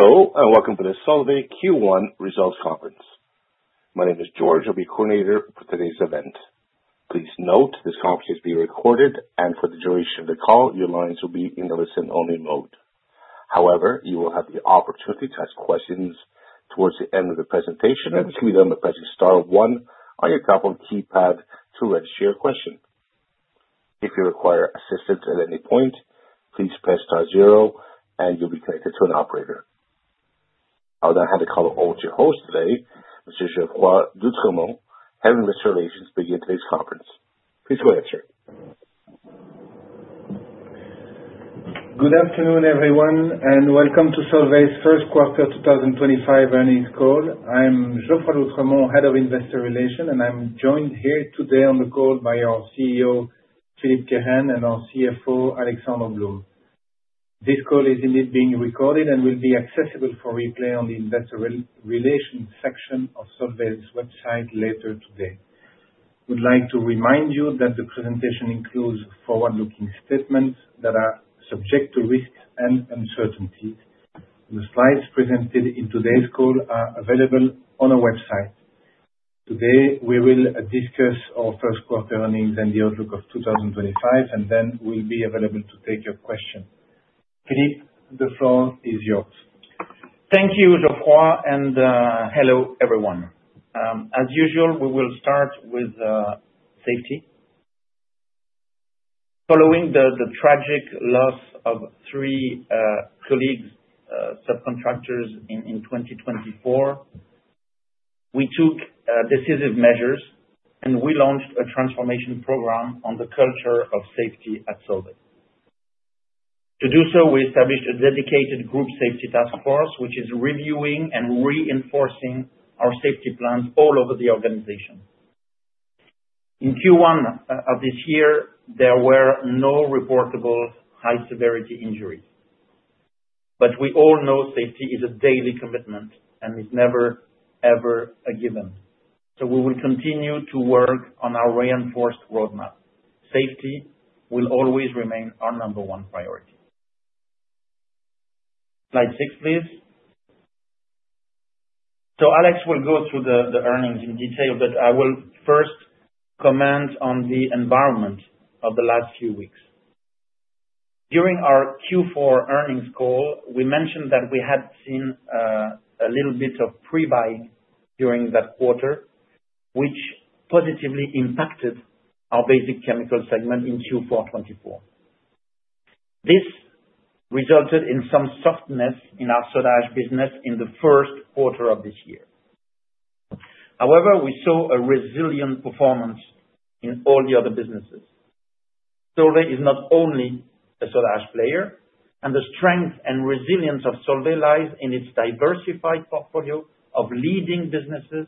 Hello, and welcome to the Solvay Q1 Results Conference. My name is George. I'll be the coordinator for today's event. Please note this conference is being recorded, and for the duration of the call, your lines will be in a listen-only mode. However, you will have the opportunity to ask questions towards the end of the presentation, and this will be done by pressing Star 1 on the top of the keypad to register your question. If you require assistance at any point, please press Star 0, and you'll be connected to an operator. I'll now hand the call over to your host today, Mr. Geoffroy d'Oultremont, Head of Investor Relations, to begin today's conference. Please do answer. Good afternoon, everyone, and welcome to Solvay's first quarter 2025 earnings call. I'm Geoffroy d'Oultremont, Head of Investor Relations, and I'm joined here today on the call by our CEO, Philippe Kehren, and our CFO, Alexandre Blum. This call is indeed being recorded and will be accessible for replay on the Investor Relations section of Solvay's website later today. I would like to remind you that the presentation includes forward-looking statements that are subject to risks and uncertainties. The slides presented in today's call are available on our website. Today, we will discuss our first quarter earnings and the outlook of 2025, and then we'll be available to take your questions. Philippe, the floor is yours. Thank you, Geoffroy, and hello, everyone. As usual, we will start with safety. Following the tragic loss of three colleagues, subcontractors in 2024, we took decisive measures, and we launched a transformation program on the culture of safety at Solvay. To do so, we established a dedicated group safety task force, which is reviewing and reinforcing our safety plans all over the organization. In Q1 of this year, there were no reportable high-severity injuries, but we all know safety is a daily commitment and is never, ever a given. We will continue to work on our reinforced roadmap. Safety will always remain our number one priority. Slide six, please. Alex will go through the earnings in detail, but I will first comment on the environment of the last few weeks. During our Q4 earnings call, we mentioned that we had seen a little bit of pre-buying during that quarter, which positively impacted our basic chemical segment in Q4 2024. This resulted in some softness in our soda ash business in the first quarter of this year. However, we saw a resilient performance in all the other businesses. Solvay is not only a soda ash player, and the strength and resilience of Solvay lies in its diversified portfolio of leading businesses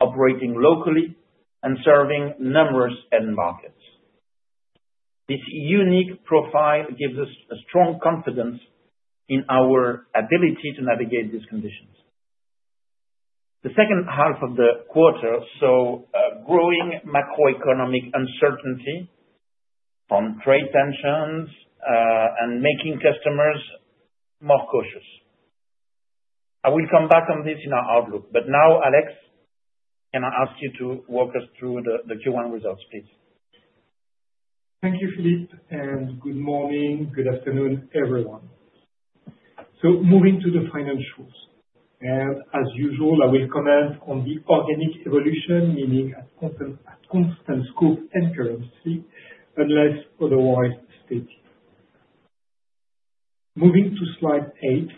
operating locally and serving numerous end markets. This unique profile gives us a strong confidence in our ability to navigate these conditions. The second half of the quarter saw growing macroeconomic uncertainty from trade tensions and making customers more cautious. I will come back on this in our outlook, but now, Alex, can I ask you to walk us through the Q1 results, please? Thank you, Philippe, and good morning, good afternoon, everyone. Moving to the financials. As usual, I will comment on the organic evolution, meaning at constant scope and currency, unless otherwise stated. Moving to slide 8,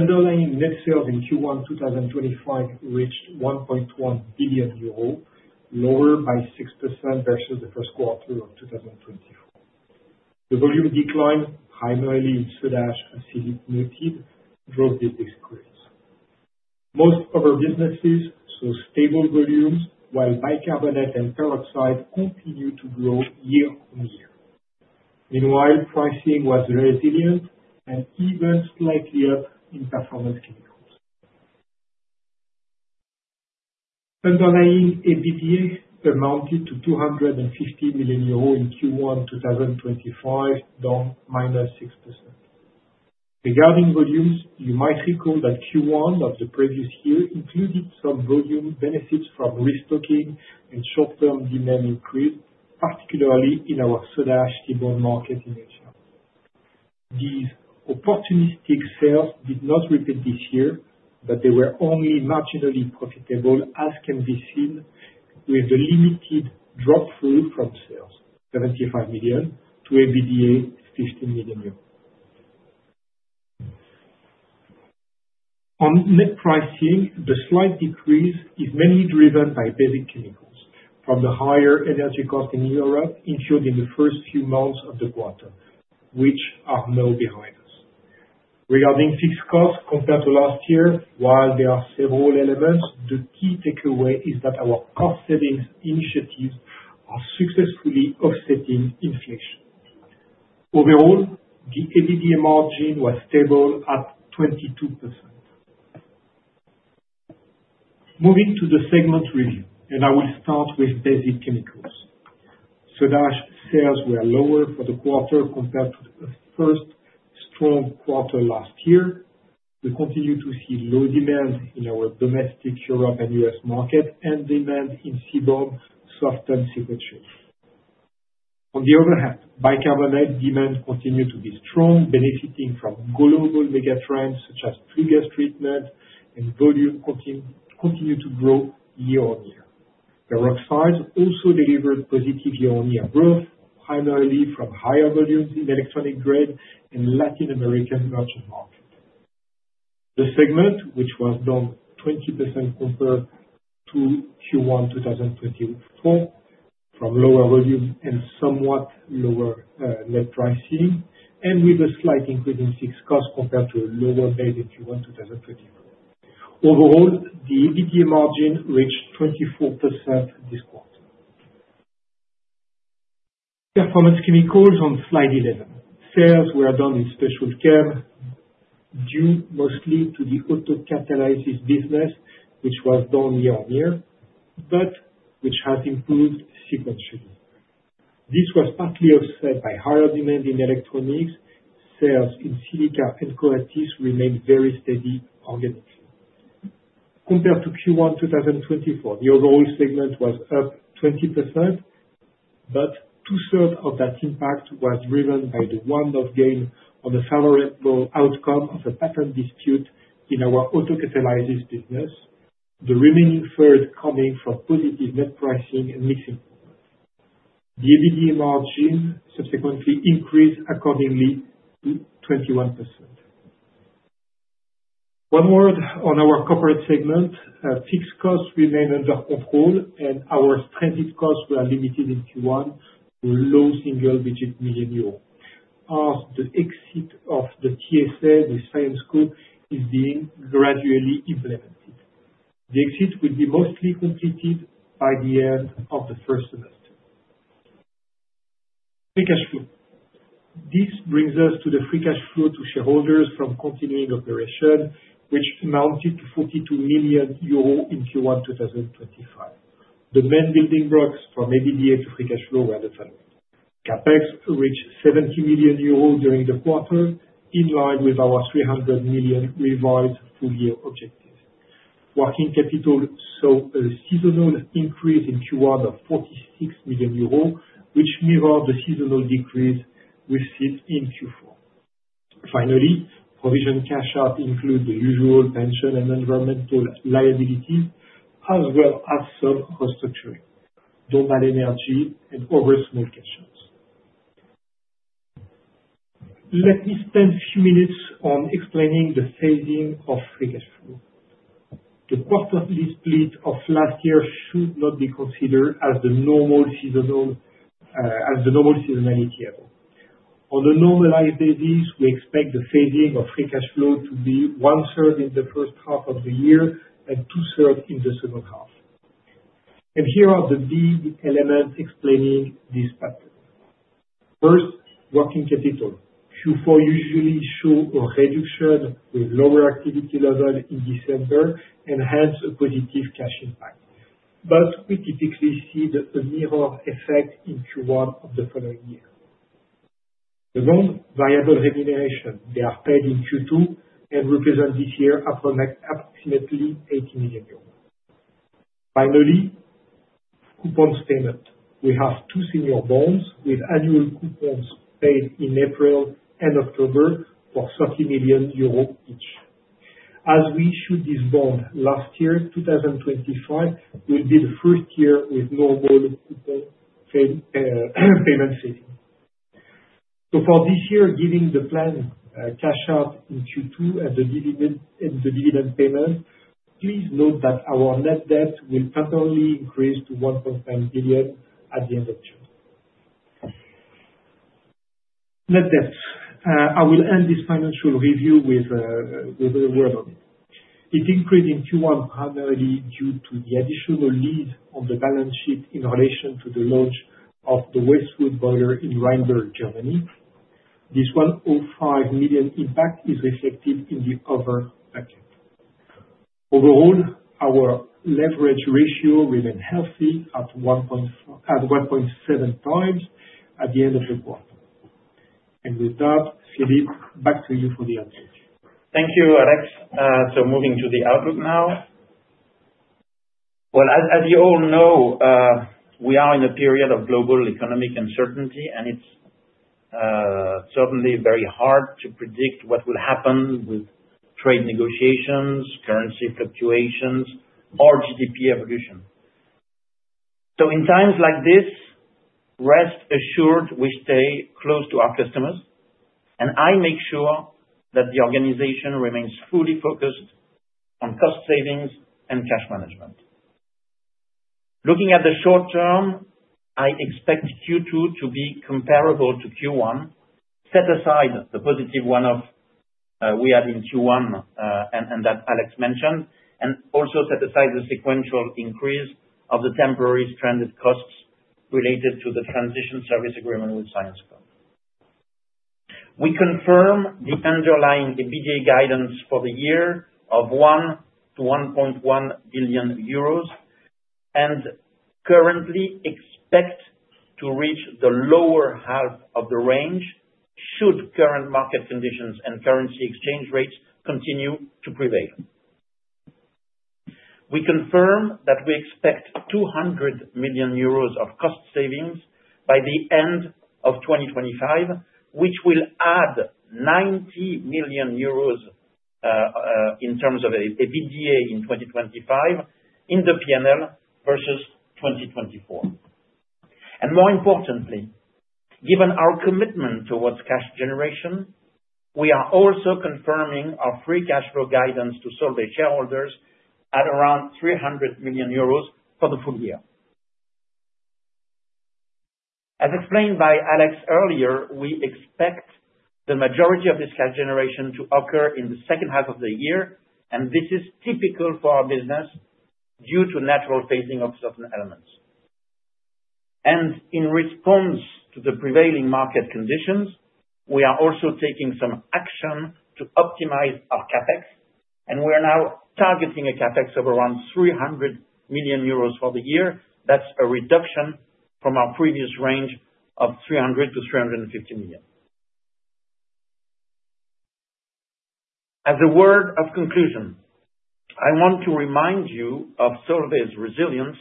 underlying net sales in Q1 2025 reached 1.1 billion euro, lower by 6% versus the first quarter of 2024. The volume decline, primarily in soda ash and as we noted, drove these disparities. Most of our businesses saw stable volumes, while bicarbonate and peroxide continued to grow year-on-year. Meanwhile, pricing was resilient and even slightly up in performance chemicals. Underlying EBITDA amounted to 250 million euros in Q1 2025, down 6%. Regarding volumes, you might recall that Q1 of the previous year included some volume benefits from restocking and short-term demand increase, particularly in our soda ash table market in Asia. These opportunistic sales did not repeat this year, but they were only marginally profitable, as can be seen with the limited drop-through from sales, 75 million, to EBITDA 15 million euros. On net pricing, the slight decrease is mainly driven by basic chemicals from the higher energy cost in Europe, including the first few months of the quarter, which are now behind us. Regarding fixed costs compared to last year, while there are several elements, the key takeaway is that our cost-setting initiatives are successfully offsetting inflation. Overall, the EBITDA margin was stable at 22%. Moving to the segment review, and I will start with basic chemicals. Soda ash sales were lower for the quarter compared to the first strong quarter last year. We continue to see low demand in our domestic Europe and U.S. markets and demand in seaboard, softened sequestration. On the other hand, bicarbonate demand continued to be strong, benefiting from global megatrends such as flue gas treatment, and volume continued to grow year-on-year. Peroxides also delivered positive year-on-year growth, primarily from higher volumes in the electronic grade and Latin American merchant market. The segment, which was down 20% compared to Q1 2024, from lower volume and somewhat lower net pricing, and with a slight increase in fixed costs compared to a lower base in Q1 2024. Overall, the EBITDA margin reached 24% this quarter. Performance chemicals on slide 11. Sales were down in special chem due mostly to the auto catalysts business, which was down year-on-year, but which has improved sequentially. This was partly offset by higher demand in electronics. Sales in silica and coatings remained very steady organically. Compared to Q1 2024, the overall segment was up 20%, but two-thirds of that impact was driven by the one-off gain on the favorable outcome of a patent dispute in our autocatalysis business, the remaining third coming from positive net pricing and mixing products. The EBITDA margin subsequently increased accordingly to 21%. One word on our corporate segment. Fixed costs remain under control, and our stranded costs were limited in Q1 to low single-digit million euros, as the exit of the TSA, the science group, is being gradually implemented. The exit will be mostly completed by the end of the first semester. Free cash flow. This brings us to the free cash flow to shareholders from continuing operation, which amounted to 42 million euro in Q1 2025. The main building blocks from EBITDA to free cash flow were the following. CapEx reached 70 million euros during the quarter, in line with our 300 million revised full-year objectives. Working capital saw a seasonal increase in Q1 of 46 million euros, which mirrored the seasonal decrease we've seen in Q4. Finally, provision cash out includes the usual pension and environmental liabilities, as well as some restructuring, Domal Energy, and other small cash outs. Let me spend a few minutes on explaining the phasing of free cash flow. The quarterly split of last year should not be considered as the normal seasonality at all. On a normalized basis, we expect the phasing of free cash flow to be one-third in the first half of the year and two-thirds in the second half. Here are the big elements explaining this pattern. First, working capital. Q4 usually shows a reduction with lower activity level in December and hence a positive cash impact. We typically see the mirror effect in Q1 of the following year. The bond variable remuneration, they are paid in Q2 and represent this year approximately 80 million euros. Finally, coupons payment. We have two senior bonds with annual coupons paid in April and October for 30 million euros each. As we issued this bond last year, 2025 will be the first year with normal coupon payment phasing. For this year, giving the planned cash out in Q2 and the dividend payment, please note that our net debt will temporarily increase to 1.9 billion at the end of June. Net debt. I will end this financial review with a word on it. It increased in Q1 primarily due to the additional lease on the balance sheet in relation to the launch of the Westwood boiler in Reinberg, Germany. This 105 million impact is reflected in the other packet. Overall, our leverage ratio remained healthy at 1.7 times at the end of the quarter. Philippe, back to you for the outlook. Thank you, Alex. Moving to the outlook now. As you all know, we are in a period of global economic uncertainty, and it is certainly very hard to predict what will happen with trade negotiations, currency fluctuations, or GDP evolution. In times like this, rest assured we stay close to our customers, and I make sure that the organization remains fully focused on cost savings and cash management. Looking at the short term, I expect Q2 to be comparable to Q1, set aside the positive one-off we had in Q1 and that Alex mentioned, and also set aside the sequential increase of the temporary stranded costs related to the transition service agreement with Syensqo. We confirm the underlying EBITDA guidance for the year of 1 billion-1.1 billion euros and currently expect to reach the lower half of the range should current market conditions and currency exchange rates continue to prevail. We confirm that we expect 200 million euros of cost savings by the end of 2025, which will add 90 million euros in terms of EBITDA in 2025 in the P&L versus 2024. More importantly, given our commitment towards cash generation, we are also confirming our free cash flow guidance to Solvay shareholders at around 300 million euros for the full year. As explained by Alex earlier, we expect the majority of this cash generation to occur in the second half of the year, and this is typical for our business due to natural phasing of certain elements. In response to the prevailing market conditions, we are also taking some action to optimize our CapEx, and we are now targeting a CapEx of around 300 million euros for the year. That is a reduction from our previous range of 300 million-350 million. As a word of conclusion, I want to remind you of Solvay's resilience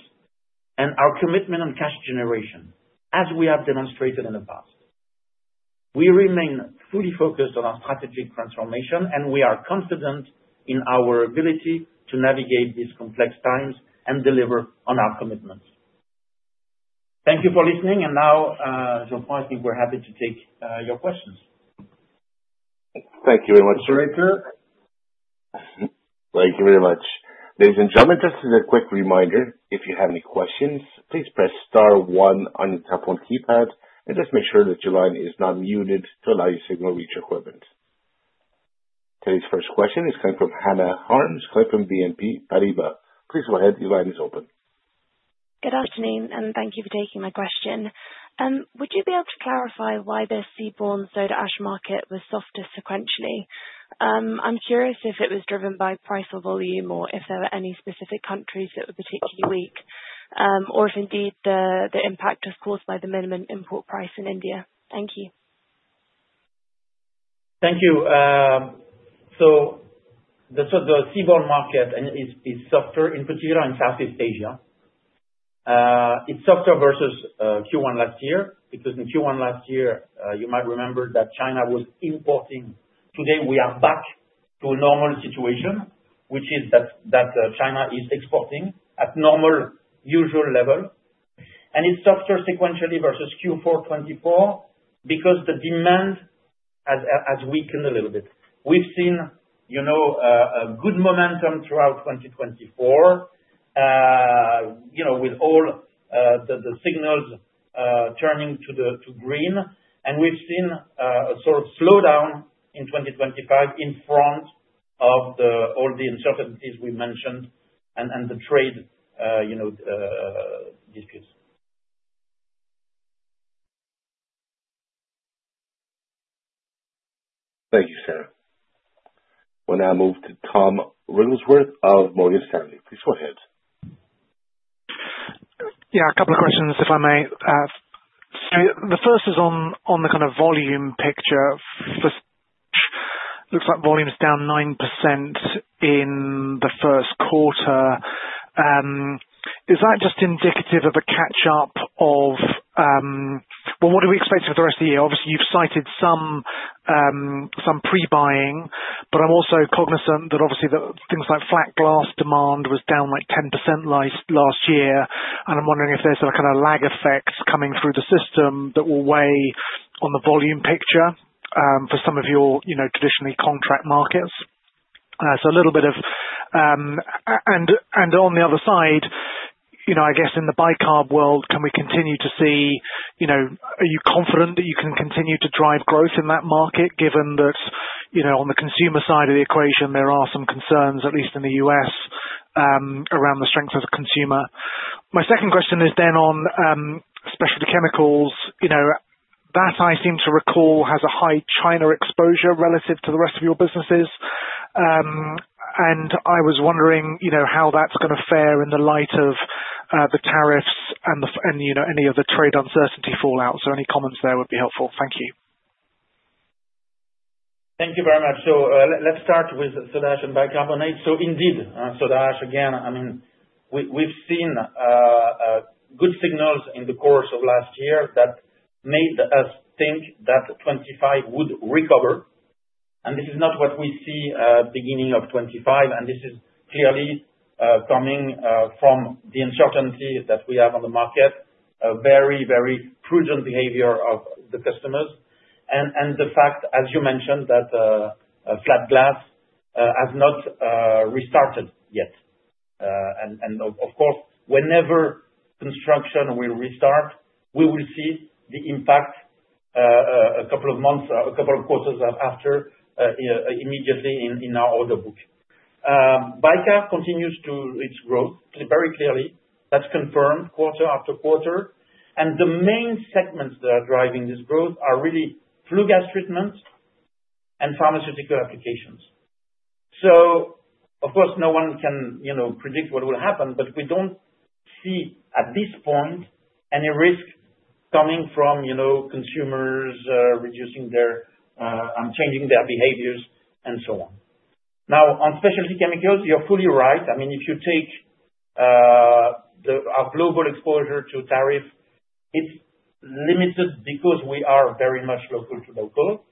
and our commitment on cash generation, as we have demonstrated in the past. We remain fully focused on our strategic transformation, and we are confident in our ability to navigate these complex times and deliver on our commitments. Thank you for listening, and now, Jean-France, I think we are happy to take your questions. Thank you very much, Director. Thank you very much. Ladies and gentlemen, just as a quick reminder, if you have any questions, please press star one on your telephone keypad and just make sure that your line is not muted to allow your signal to reach equipment. Today's first question is coming from Hannah Harms, BNP Paribas. Please go ahead. Your line is open. Good afternoon, and thank you for taking my question. Would you be able to clarify why the seaboard and soda ash market was softest sequentially? I'm curious if it was driven by price or volume or if there were any specific countries that were particularly weak, or if indeed the impact was caused by the minimum import price in India. Thank you. Thank you. The seaboard market is softer, in particular in Southeast Asia. It is softer versus Q1 last year because in Q1 last year, you might remember that China was importing. Today, we are back to a normal situation, which is that China is exporting at a normal usual level. It is softer sequentially versus Q4 2024 because the demand has weakened a little bit. We have seen a good momentum throughout 2024 with all the signals turning to green, and we have seen a sort of slowdown in 2025 in front of all the uncertainties we mentioned and the trade disputes. Thank you, Sarah. We'll now move to Tom Ringelsworth of Morgan Stanley. Please go ahead. Yeah, a couple of questions, if I may. The first is on the kind of volume picture. Looks like volume's down 9% in the first quarter. Is that just indicative of a catch-up of, well, what are we expecting for the rest of the year? Obviously, you've cited some pre-buying, but I'm also cognizant that obviously things like flat glass demand was down 10% last year, and I'm wondering if there's a kind of lag effect coming through the system that will weigh on the volume picture for some of your traditionally contract markets. A little bit of, and on the other side, I guess in the bicarb world, can we continue to see, are you confident that you can continue to drive growth in that market given that on the consumer side of the equation, there are some concerns, at least in the U.S., around the strength of the consumer? My second question is then on specialty chemicals. That, I seem to recall, has a high China exposure relative to the rest of your businesses. I was wondering how that's going to fare in the light of the tariffs and any other trade uncertainty fallout. Any comments there would be helpful. Thank you. Thank you very much. Let's start with soda ash and bicarbonate. Indeed, soda ash, again, I mean, we've seen good signals in the course of last year that made us think that 2025 would recover. This is not what we see at the beginning of 2025, and this is clearly coming from the uncertainty that we have on the market, a very, very prudent behavior of the customers. The fact, as you mentioned, that flat glass has not restarted yet. Of course, whenever construction will restart, we will see the impact a couple of months, a couple of quarters after, immediately in our order book. Bicarbonate continues its growth very clearly. That's confirmed quarter after quarter. The main segments that are driving this growth are really flue gas treatments and pharmaceutical applications. Of course, no one can predict what will happen, but we do not see at this point any risk coming from consumers reducing their and changing their behaviors and so on. Now, on specialty chemicals, you're fully right. I mean, if you take our global exposure to tariff, it's limited because we are very much local to local,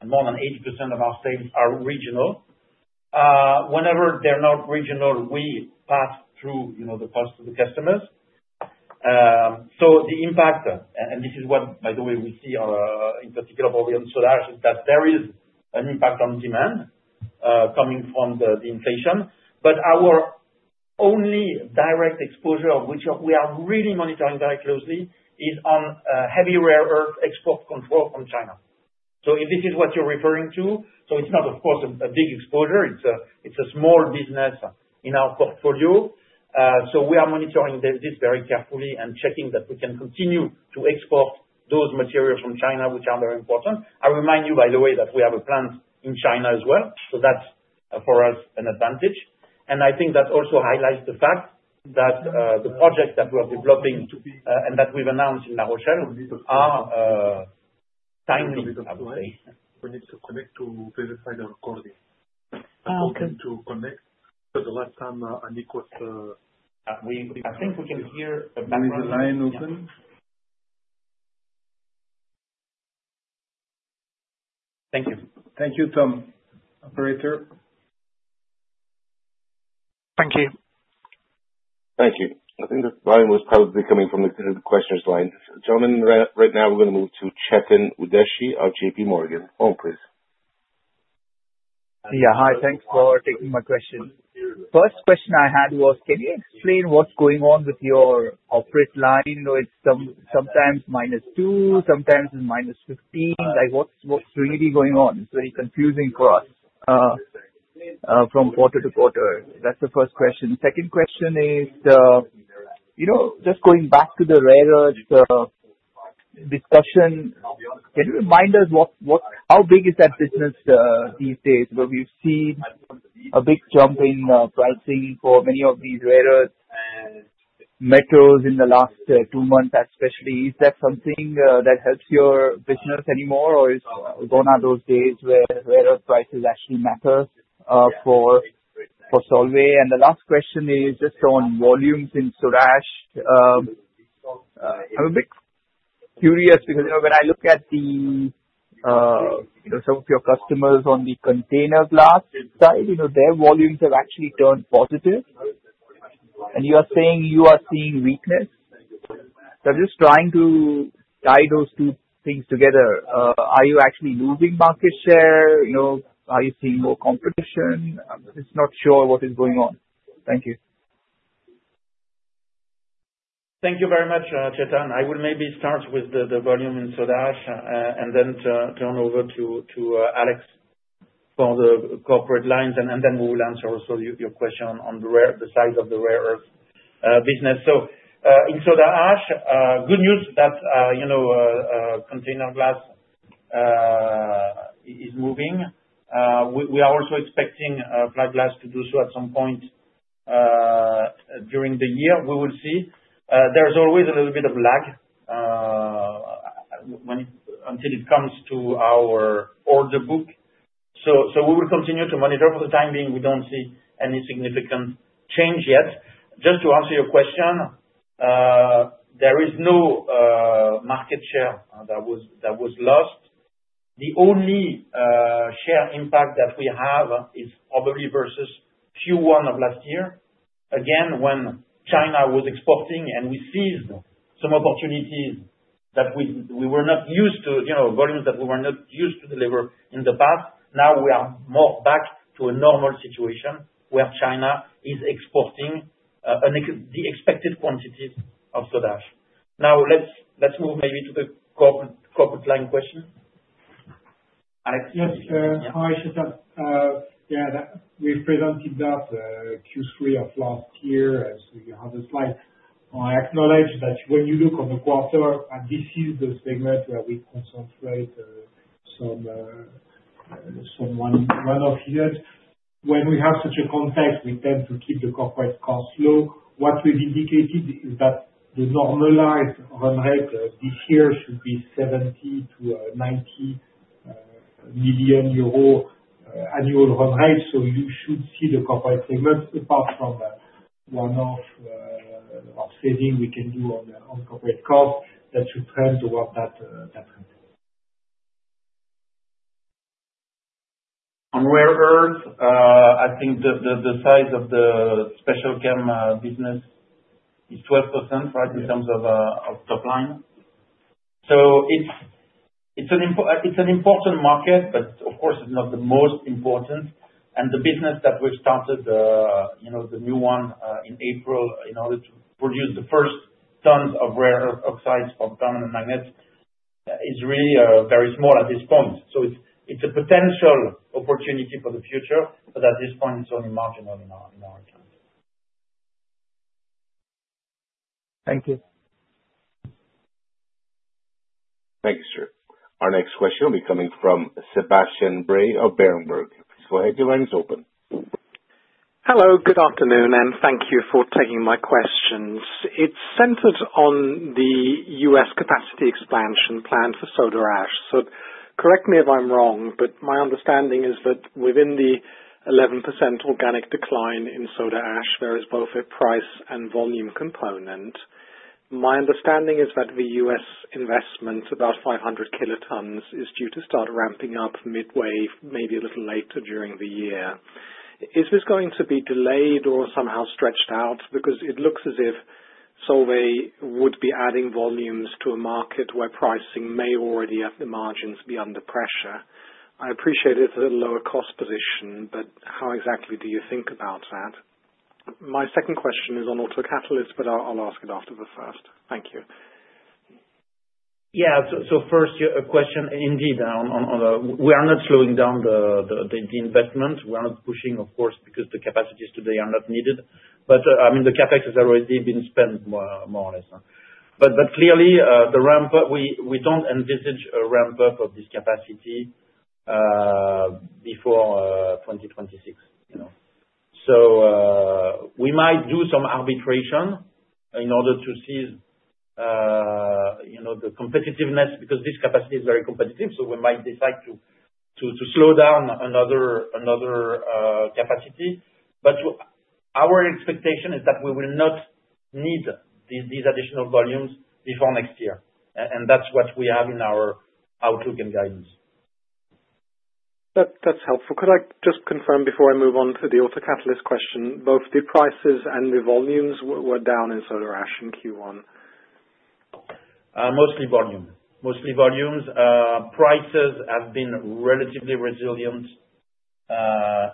and more than 80% of our staves are regional. Whenever they're not regional, we pass through the cost to the customers. The impact, and this is what, by the way, we see in particular for the soda ash, is that there is an impact on demand coming from the inflation. Our only direct exposure, which we are really monitoring very closely, is on heavy rare earth export control from China. If this is what you're referring to, it's not, of course, a big exposure. It's a small business in our portfolio. We are monitoring this very carefully and checking that we can continue to export those materials from China, which are very important. I remind you, by the way, that we have a plant in China as well. That is for us an advantage. I think that also highlights the fact that the projects that we are developing and that we have announced in La Rochelle are timely, I would say. We need to connect to verify the recording. I'm hoping to connect because the last time I think we can hear the background. Is the line open? Thank you. Thank you, Tom, Operator. Thank you. Thank you. I think the volume was probably coming from the questions line. Gentlemen, right now we're going to move to Chetan Udeshi of JPMorgan. Oh, please. Yeah, hi. Thanks for taking my question. First question I had was, can you explain what's going on with your operate line? It's sometimes minus two, sometimes it's minus 15. What's really going on? It's very confusing for us from quarter to quarter. That's the first question. Second question is, just going back to the rare earth discussion, can you remind us how big is that business these days? We've seen a big jump in pricing for many of these rare earth metals in the last two months, especially. Is that something that helps your business anymore, or is it gone are those days where rare earth prices actually matter for Solvay? The last question is just on volumes in soda ash. I'm a bit curious because when I look at some of your customers on the container glass side, their volumes have actually turned positive. You are saying you are seeing weakness. I am just trying to tie those two things together. Are you actually losing market share? Are you seeing more competition? I am just not sure what is going on. Thank you. Thank you very much, Chetan. I will maybe start with the volume in soda ash and then turn over to Alex for the corporate lines, and then we will answer also your question on the side of the rare earth business. In soda ash, good news that container glass is moving. We are also expecting flat glass to do so at some point during the year. We will see. There is always a little bit of lag until it comes to our order book. We will continue to monitor. For the time being, we do not see any significant change yet. Just to answer your question, there is no market share that was lost. The only share impact that we have is probably versus Q1 of last year. Again, when China was exporting and we seized some opportunities that we were not used to, volumes that we were not used to deliver in the past, now we are more back to a normal situation where China is exporting the expected quantities of soda ash. Now, let's move maybe to the corporate line question. Alex. Yes. Yes. Hi, Chetan. Yeah, we presented that Q3 of last year, and you have the slide. I acknowledge that when you look on the quarter, this is the segment where we concentrate some runoff units. When we have such a context, we tend to keep the corporate costs low. What we have indicated is that the normalized run rate this year should be 70 million-90 million euro annual run rate. You should see the corporate segment, apart from the runoff offsetting we can do on corporate costs, that should trend towards that trend. On rare earth, I think the size of the special chem business is 12% in terms of top line. It is an important market, but of course, it is not the most important. The business that we have started, the new one in April, in order to produce the first tons of rare earth oxides from permanent magnets, is really very small at this point. It is a potential opportunity for the future, but at this point, it is only marginal in our account. Thank you. Thank you, sir. Our next question will be coming from Sebastian Bray of Berenberg. Please go ahead. Your line is open. Hello, good afternoon, and thank you for taking my questions. It's centered on the U.S. capacity expansion plan for soda ash. So correct me if I'm wrong, but my understanding is that within the 11% organic decline in soda ash, there is both a price and volume component. My understanding is that the U.S.trist investment, about 500 kilotons, is due to start ramping up midway, maybe a little later during the year. Is this going to be delayed or somehow stretched out? Because it looks as if Solvay would be adding volumes to a market where pricing may already have the margins be under pressure. I appreciate it's a lower cost position, but how exactly do you think about that? My second question is on auto catalysts, but I'll ask it after the first. Thank you. Yeah. First, a question indeed on the we are not slowing down the investment. We are not pushing, of course, because the capacities today are not needed. I mean, the CapEx has already been spent more or less. Clearly, we do not envisage a ramp-up of this capacity before 2026. We might do some arbitration in order to seize the competitiveness because this capacity is very competitive. We might decide to slow down another capacity. Our expectation is that we will not need these additional volumes before next year. That is what we have in our outlook and guidance. That's helpful. Could I just confirm before I move on to the auto-catalyst question? Both the prices and the volumes were down in soda ash in Q1. Mostly volumes. Prices have been relatively resilient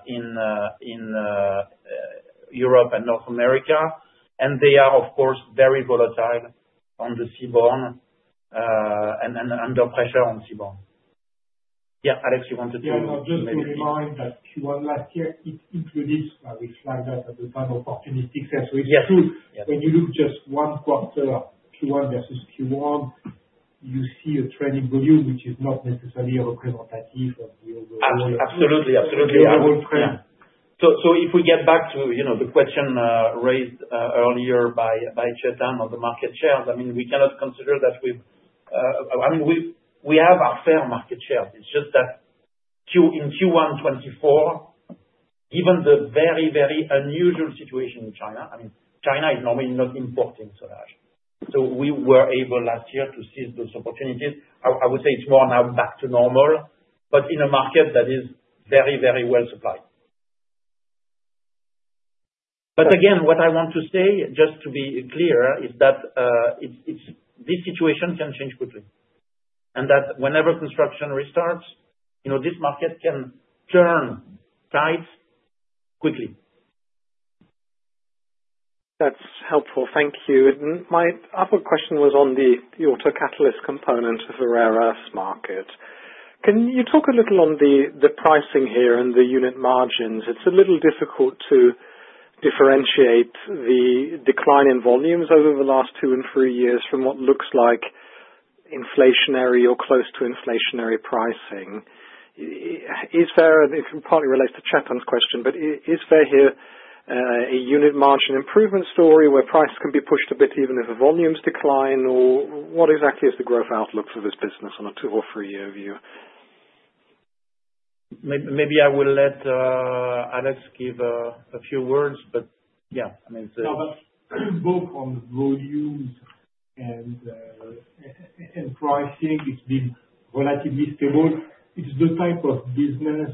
in Europe and North America. They are, of course, very volatile on the seaborn and under pressure on seaborn. Yeah, Alex, you wanted to maybe. Just to remind that Q1 last year, it included, I reflect that as a kind of opportunistic sense. So it's true. When you look just one quarter, Q1 versus Q1, you see a trending volume, which is not necessarily representative of the overall. Absolutely. Absolutely. Of the overall trend. If we get back to the question raised earlier by Chetan on the market shares, I mean, we cannot consider that we have our fair market share. It's just that in Q1 2024, given the very, very unusual situation in China, I mean, China is normally not importing soda ash. We were able last year to seize those opportunities. I would say it's more now back to normal, but in a market that is very, very well supplied. Again, what I want to say, just to be clear, is that this situation can change quickly. Whenever construction restarts, this market can turn tight quickly. That's helpful. Thank you. My other question was on the auto catalyst component of the rare earth market. Can you talk a little on the pricing here and the unit margins? It's a little difficult to differentiate the decline in volumes over the last two and three years from what looks like inflationary or close to inflationary pricing. It partly relates to Chetan's question, but is there here a unit margin improvement story where price can be pushed a bit even if the volumes decline? What exactly is the growth outlook for this business on a two or three-year view? Maybe I will let Alex give a few words, but yeah, I mean. No, but both on volumes and pricing, it's been relatively stable. It's the type of business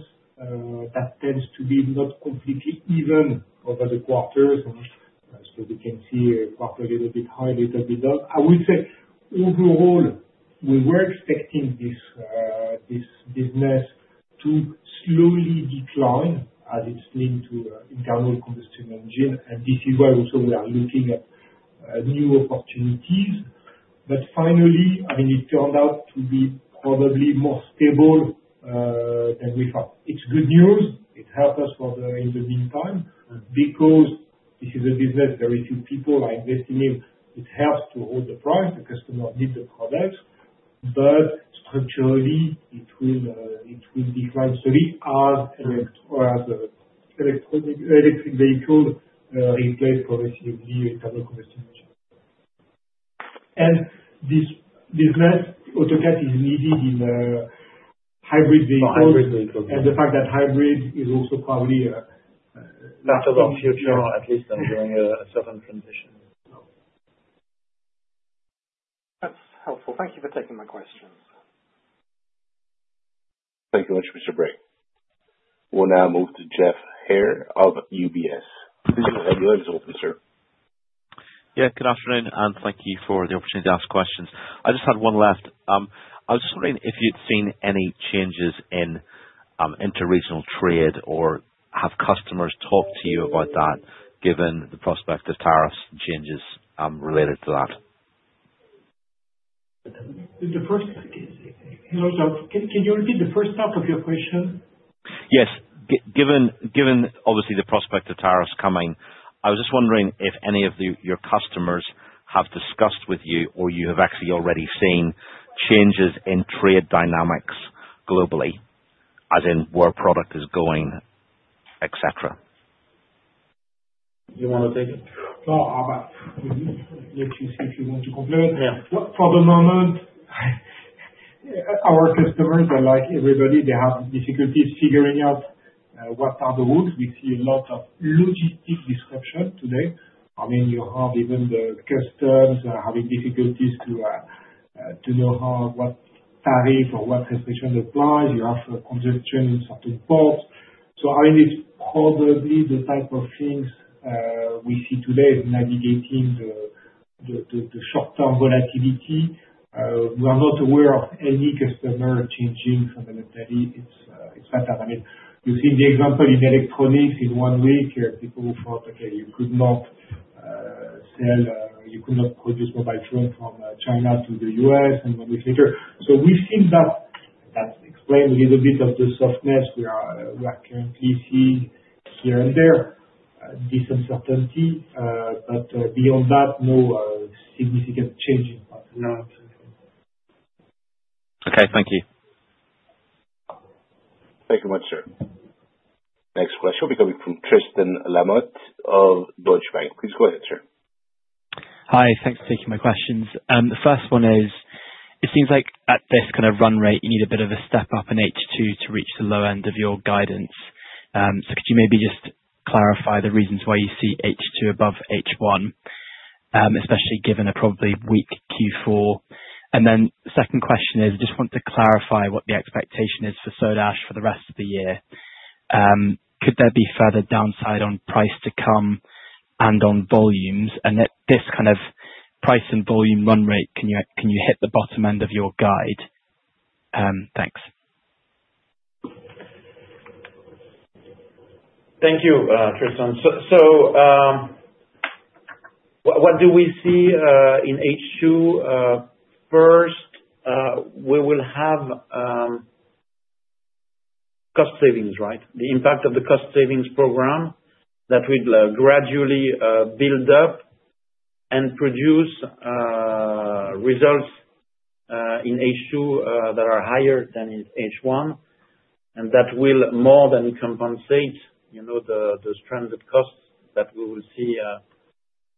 that tends to be not completely even over the quarters. We can see a quarter a little bit high, a little bit low. I would say overall, we were expecting this business to slowly decline as it's linked to internal combustion engine. This is why also we are looking at new opportunities. Finally, I mean, it turned out to be probably more stable than we thought. It's good news. It helped us in the meantime because this is a business very few people are investing in. It helps to hold the price. The customer needs the product. Structurally, it will decline slowly as electric vehicles replace progressively internal combustion engines. This business, auto catalysts, is needed in hybrid vehicles. Hybrid vehicles. The fact that hybrid is also probably. Not a long future, at least during a southern transition. That's helpful. Thank you for taking my questions. Thank you very much, Mr. Bray. We will now move to Jeff Hare of UBS. Please have your lens open, sir. Yeah, good afternoon, and thank you for the opportunity to ask questions. I just had one left. I was just wondering if you'd seen any changes in interregional trade or have customers talk to you about that given the prospect of tariffs and changes related to that? The first thing is, can you repeat the first half of your question? Yes. Given obviously the prospect of tariffs coming, I was just wondering if any of your customers have discussed with you or you have actually already seen changes in trade dynamics globally, as in where product is going, etc. You want to take it? No, I'll let you see if you want to complain. For the moment, our customers, like everybody, they have difficulties figuring out what are the rules. We see a lot of logistic disruption today. I mean, you have even the customs having difficulties to know what tariff or what restriction applies. You have congestion in certain ports. I mean, it's probably the type of things we see today navigating the short-term volatility. We are not aware of any customer changing fundamentally its pattern. I mean, you've seen the example in electronics in one week where people thought, "Okay, you could not sell or you could not produce mobile phones from China to the US," and then it's later. We've seen that. That explains a little bit of the softness we are currently seeing here and there, this uncertainty. Beyond that, no significant change in part of that. Okay, thank you. Thank you very much, sir. Next question will be coming from Tristan Lamotte of Deutsche Bank. Please go ahead, sir. Hi, thanks for taking my questions. The first one is, it seems like at this kind of run rate, you need a bit of a step up in H2 to reach the low end of your guidance. Could you maybe just clarify the reasons why you see H2 above H1, especially given a probably weak Q4? The second question is, I just want to clarify what the expectation is for soda ash for the rest of the year. Could there be further downside on price to come and on volumes? At this kind of price and volume run rate, can you hit the bottom end of your guide? Thanks. Thank you, Tristan. What do we see in H2? First, we will have cost savings, right? The impact of the cost savings program that would gradually build up and produce results in H2 that are higher than in H1. That will more than compensate the stranded costs that we will see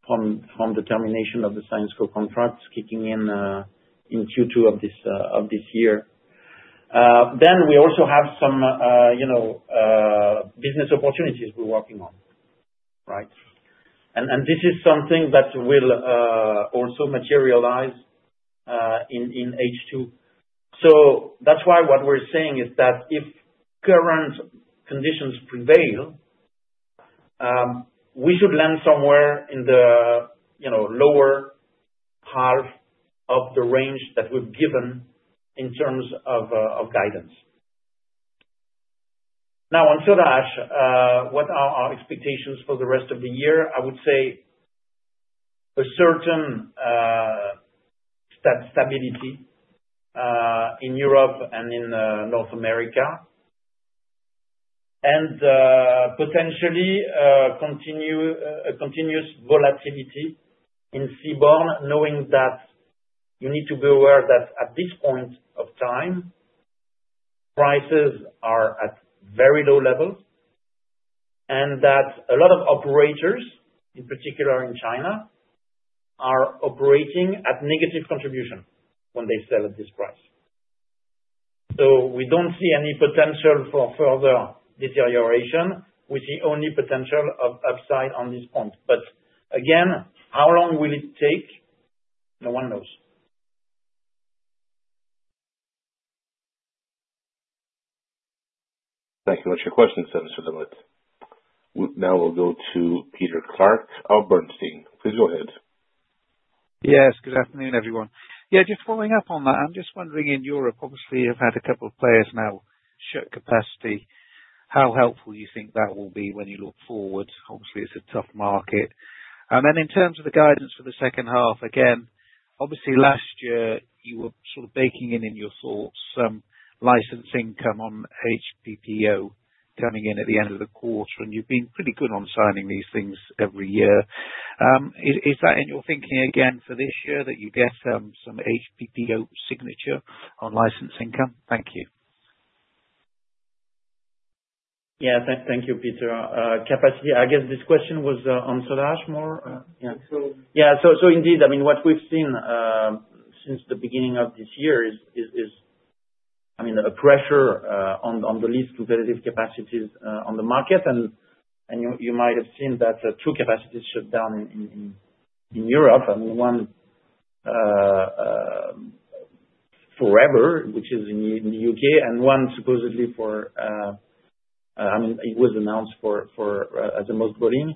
from the termination of the Syensqo contracts kicking in in Q2 of this year. We also have some business opportunities we're working on, right? This is something that will also materialize in H2. That is why what we're saying is that if current conditions prevail, we should land somewhere in the lower half of the range that we've given in terms of guidance. Now, on soda ash, what are our expectations for the rest of the year? I would say a certain stability in Europe and in North America, and potentially continuous volatility in seaborne, knowing that you need to be aware that at this point of time, prices are at very low levels, and that a lot of operators, in particular in China, are operating at negative contribution when they sell at this price. We do not see any potential for further deterioration. We see only potential of upside on this point. Again, how long will it take? No one knows. Thank you very much for your question, Tristen Lamotte. Now we'll go to Peter Clark of Bernstein. Please go ahead. Yes, good afternoon, everyone. Yeah, just following up on that, I'm just wondering in Europe, obviously, you've had a couple of players now shut capacity. How helpful do you think that will be when you look forward? Obviously, it's a tough market. In terms of the guidance for the second half, again, obviously, last year, you were sort of baking in in your thoughts some licensing come on HPPO coming in at the end of the quarter. You've been pretty good on signing these things every year. Is that in your thinking again for this year that you get some HPPO signature on licensing come? Thank you. Yeah, thank you, Peter. Capacity, I guess this question was on soda ash more. Yeah. So indeed, I mean, what we've seen since the beginning of this year is, I mean, a pressure on the least competitive capacities on the market. And you might have seen that two capacities shut down in Europe. I mean, one forever, which is in the U.K., and one supposedly for, I mean, it was announced for as the most volume.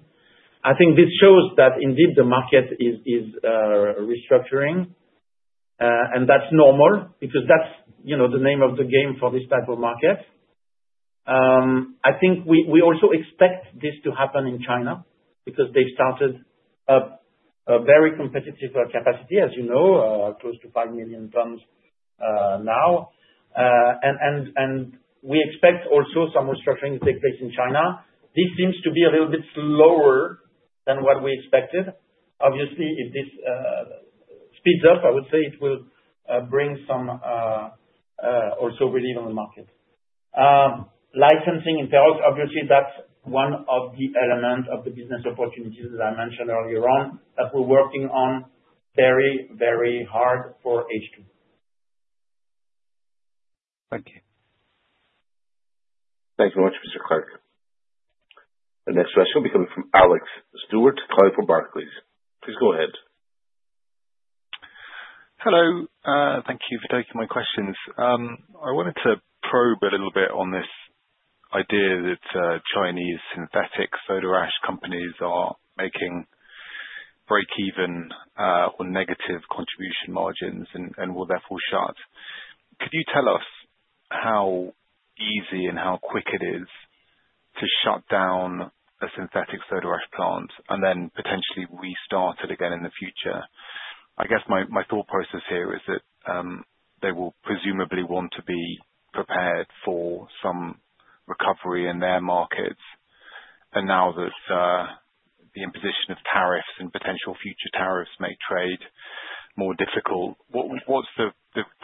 I think this shows that indeed the market is restructuring. And that's normal because that's the name of the game for this type of market. I think we also expect this to happen in China because they've started a very competitive capacity, as you know, close to 5 million tons now. And we expect also some restructuring to take place in China. This seems to be a little bit slower than what we expected. Obviously, if this speeds up, I would say it will bring some also relief on the market. Licensing in Peru, obviously, that's one of the elements of the business opportunities that I mentioned earlier on that we're working on very, very hard for H2. Thank you. Thanks very much, Mr. Clark. The next question will be coming from Alex Stewart. Clive from Barclays. Please go ahead. Hello. Thank you for taking my questions. I wanted to probe a little bit on this idea that Chinese synthetic soda ash companies are making break-even or negative contribution margins and will therefore shut. Could you tell us how easy and how quick it is to shut down a synthetic soda ash plant and then potentially restart it again in the future? I guess my thought process here is that they will presumably want to be prepared for some recovery in their markets. Now that the imposition of tariffs and potential future tariffs make trade more difficult, what's the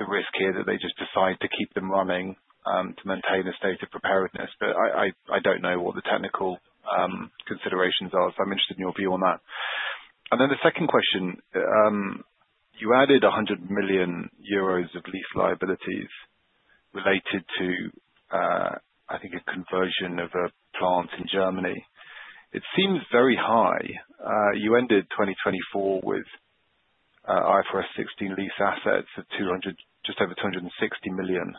risk here that they just decide to keep them running to maintain a state of preparedness? I do not know what the technical considerations are. I am interested in your view on that. The second question, you added 100 million euros of lease liabilities related to, I think, a conversion of a plant in Germany. It seems very high. You ended 2024 with IFRS 16 lease assets of just over 260 million.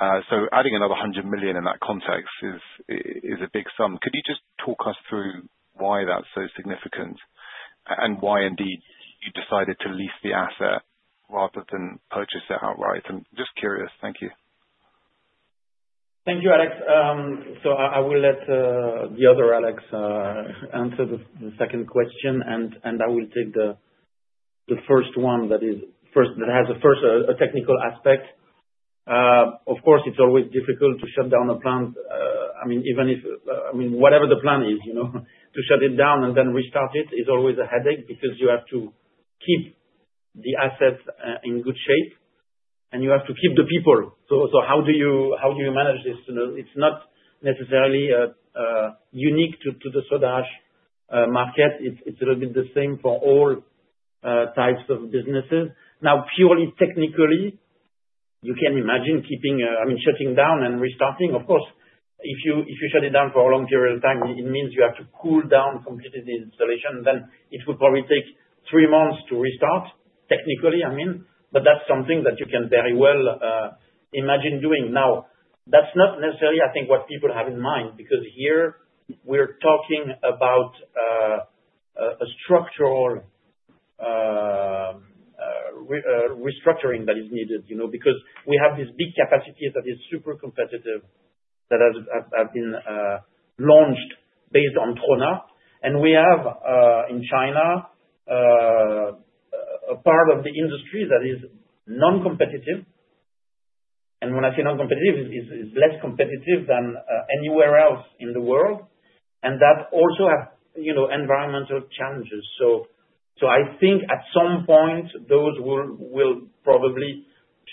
Adding another 100 million in that context is a big sum. Could you just talk us through why that is so significant and why indeed you decided to lease the asset rather than purchase it outright? I am just curious. Thank you. Thank you, Alex. I will let the other Alex answer the second question, and I will take the first one that has a first technical aspect. Of course, it's always difficult to shut down a plant. I mean, even if, I mean, whatever the plan is, to shut it down and then restart it is always a headache because you have to keep the assets in good shape, and you have to keep the people. How do you manage this? It's not necessarily unique to the soda ash market. It's a little bit the same for all types of businesses. Now, purely technically, you can imagine keeping, I mean, shutting down and restarting. Of course, if you shut it down for a long period of time, it means you have to cool down completely the installation. It would probably take three months to restart, technically, I mean. That's something that you can very well imagine doing. Now, that's not necessarily, I think, what people have in mind because here we're talking about a structural restructuring that is needed because we have this big capacity that is super competitive that has been launched based on Trona. We have in China a part of the industry that is non-competitive. When I say non-competitive, it's less competitive than anywhere else in the world. That also has environmental challenges. I think at some point, those will probably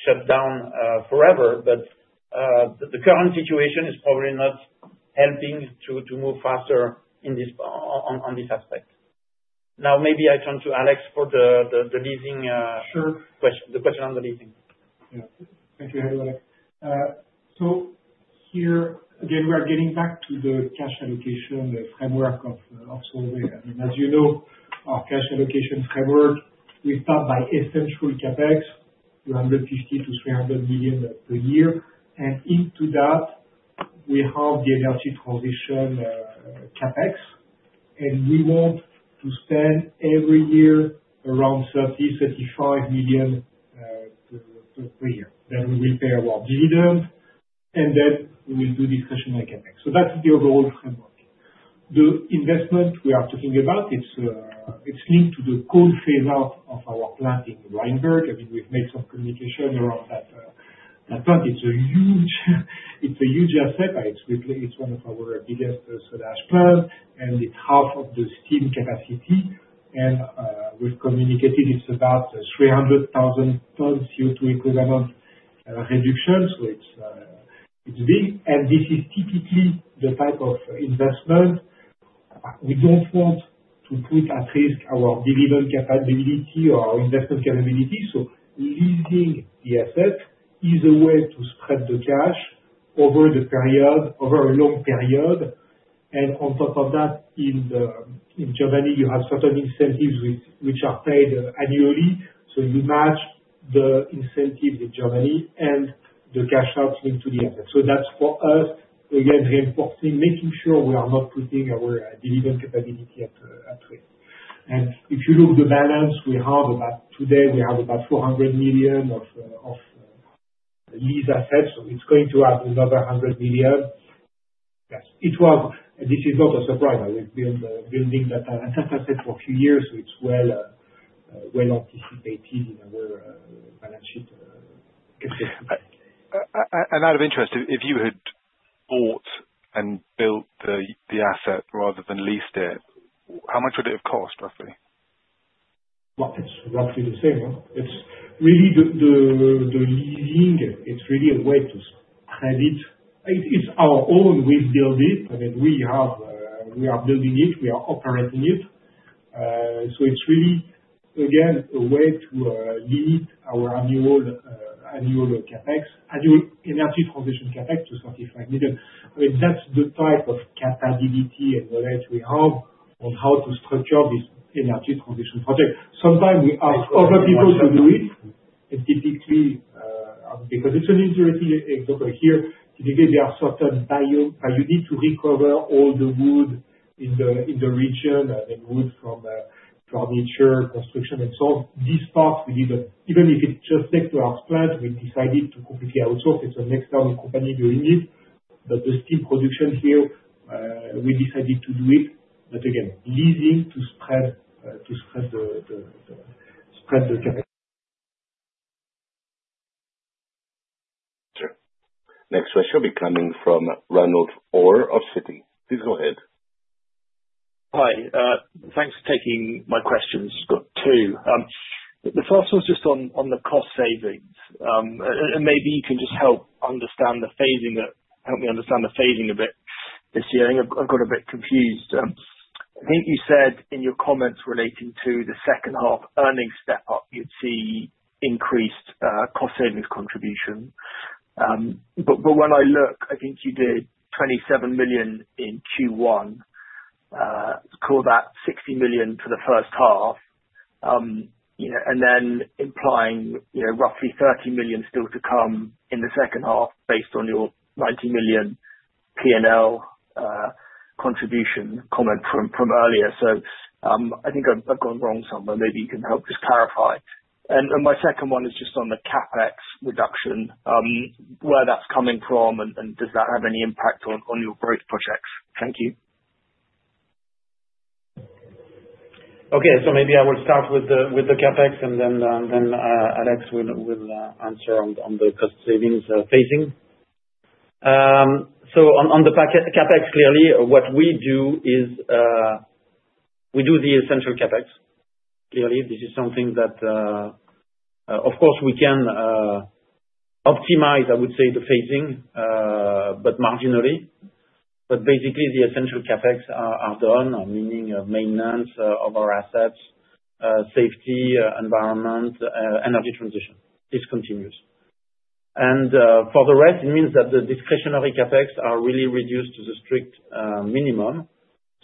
shut down forever. The current situation is probably not helping to move faster on this aspect. Now, maybe I turn to Alex for the leasing question, the question on the leasing. Thank you, everybody. Here, again, we are getting back to the cash allocation framework of Solvay. As you know, our cash allocation framework, we start by essential CapEx, 250 million-300 million per year. In that, we have the energy transition CapEx, and we want to spend every year around 30 million-35 million per year. We will pay our dividend, and we will do discretionary CapEx. That is the overall framework. The investment we are talking about, it is linked to the coal phase-out of our plant in Reinberg. I mean, we have made some communication around that plant. It is a huge asset. It is one of our biggest soda ash plants, and it is half of the steam capacity. We have communicated it is about 300,000 tons CO2 equivalent reduction. It is big. This is typically the type of investment we do not want to put at risk our dividend capability or our investment capability. Leasing the asset is a way to spread the cash over a long period. On top of that, in Germany, you have certain incentives which are paid annually. You match the incentives in Germany and the cash out linked to the asset. That is for us, again, reinforcing, making sure we are not putting our dividend capability at risk. If you look at the balance we have today, we have about 400 million of lease assets. It is going to add another 100 million. Yes, it was. This is not a surprise. We have been building that asset for a few years. It is well anticipated in our balance sheet. Out of interest, if you had bought and built the asset rather than leased it, how much would it have cost, roughly? It is roughly the same. Really, the leasing, it is really a way to spread it. It is our own way to build it. I mean, we are building it. We are operating it. It is really, again, a way to limit our annual energy transition CapEx to 35 million. I mean, that is the type of capability and knowledge we have on how to structure this energy transition project. Sometimes we ask other people to do it. Typically, because it is an interesting example here, typically there are certain buyouts. You need to recover all the wood in the region, the wood from furniture, construction, and so on. This part, we did not. Even if it is just next to our plant, we decided to completely outsource. It is an external company doing it. The steam production here, we decided to do it. Again, leasing to spread the CapEx. Okay. Next question will be coming from Reynolds Orr of Citi. Please go ahead. Hi. Thanks for taking my questions. Got two. The first was just on the cost savings. Maybe you can just help understand the phasing that helped me understand the phasing a bit this year. I've got a bit confused. I think you said in your comments relating to the second half earnings step-up, you'd see increased cost savings contribution. When I look, I think you did 27 million in Q1. Call that 60 million for the first half. Then implying roughly 30 million still to come in the second half based on your 90 million P&L contribution comment from earlier. I think I've gone wrong somewhere. Maybe you can help just clarify. My second one is just on the CapEx reduction, where that's coming from, and does that have any impact on your growth projects? Thank you. Okay. Maybe I will start with the CapEx, and then Alex will answer on the cost savings phasing. On the CapEx, clearly, what we do is we do the essential CapEx. Clearly, this is something that, of course, we can optimize, I would say, the phasing, but marginally. Basically, the essential CapEx are done, meaning maintenance of our assets, safety, environment, energy transition. This continues. For the rest, it means that the discretionary CapEx are really reduced to the strict minimum.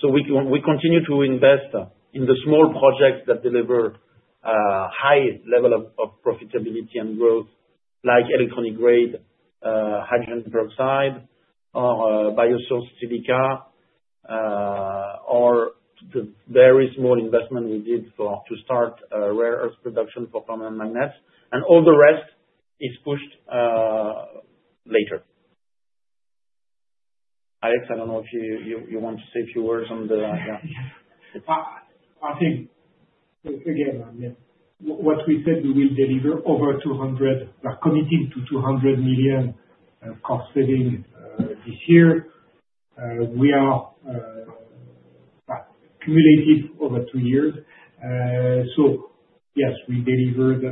We continue to invest in the small projects that deliver high level of profitability and growth, like electronic grade hydrogen peroxide, or biosource silica, or the very small investment we did to start rare earth production for permanent magnets. All the rest is pushed later. Alex, I do not know if you want to say a few words on the. I think, again, what we said, we will deliver over 200 million, we're committing to 200 million cost savings this year. We are cumulative over two years. Yes, we delivered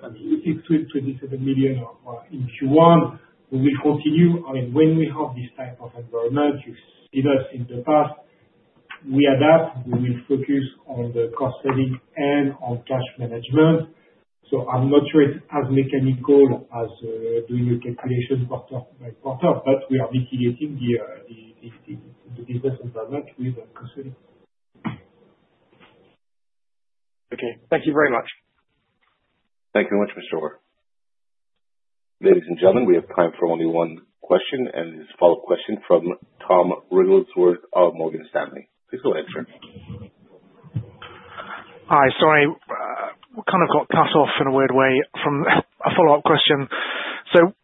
27 million in Q1. We will continue. I mean, when we have this type of environment, you've seen us in the past, we adapt. We will focus on the cost savings and on cash management. I'm not sure it's as mechanical as doing a calculation part-by part-up, but we are mitigating the business environment with the cost savings. Okay. Thank you very much. Thank you very much, Mr. Ohr. Ladies and gentlemen, we have time for only one question, and it's a follow-up question from Tom Ringelsworth of Morgan Stanley. Please go ahead, sir. Hi. Sorry, we kind of got cut off in a weird way from a follow-up question.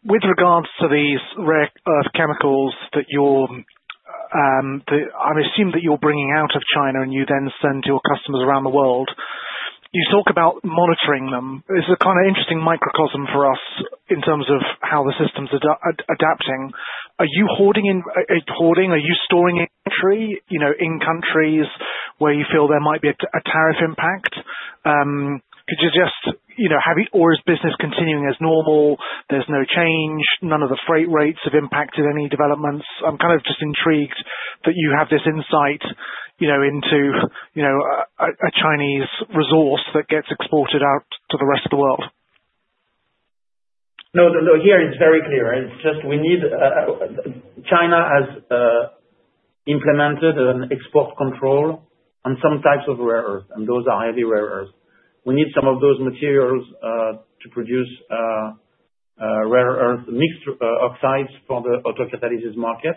With regards to these rare earth chemicals that I'm assuming that you're bringing out of China and you then send to your customers around the world, you talk about monitoring them. It's a kind of interesting microcosm for us in terms of how the system's adapting. Are you hoarding in, are you storing in country where you feel there might be a tariff impact? Could you just have it, or is business continuing as normal? There's no change. None of the freight rates have impacted any developments. I'm kind of just intrigued that you have this insight into a Chinese resource that gets exported out to the rest of the world. No, here it's very clear. It's just we need China has implemented an export control on some types of rare earth, and those are heavy rare earth. We need some of those materials to produce rare earth mixed oxides for the autocatalysis market.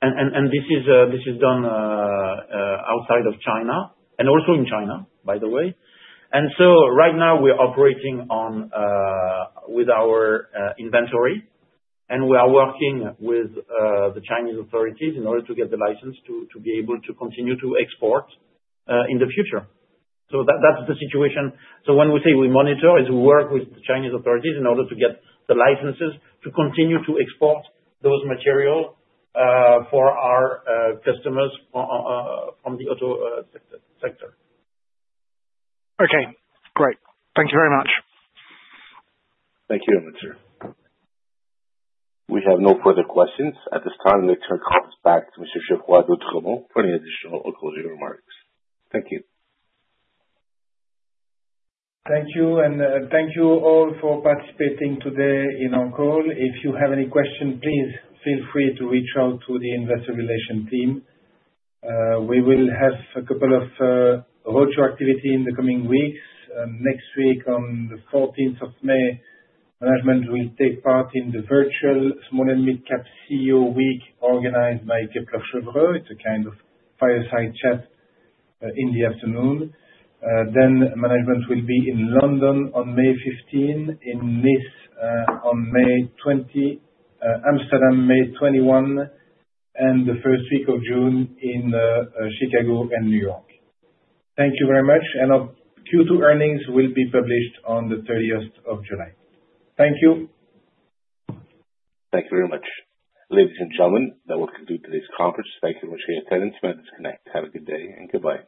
This is done outside of China and also in China, by the way. Right now, we're operating with our inventory, and we are working with the Chinese authorities in order to get the license to be able to continue to export in the future. That's the situation. When we say we monitor, it's we work with the Chinese authorities in order to get the licenses to continue to export those materials for our customers from the auto sector. Okay. Great. Thank you very much. Thank you, Mr. We have no further questions at this time. Let's turn our calls back to Mr. Geoffroy d'Oultremont for any additional or closing remarks. Thank you. Thank you. Thank you all for participating today in our call. If you have any questions, please feel free to reach out to the investor relation team. We will have a couple of virtual activities in the coming weeks. Next week, on the 14th of May, management will take part in the virtual small and mid-cap CEO week organized by Kepler Chevreux. It is a kind of fireside chat in the afternoon. Management will be in London on May 15, in Nice on May 20, Amsterdam May 21, and the first week of June in Chicago and New York. Thank you very much. Our Q2 earnings will be published on the 30th of July. Thank you. Thank you very much, ladies and gentlemen, that will conclude today's conference. Thank you very much for your attendance. May I disconnect? Have a good day and goodbye.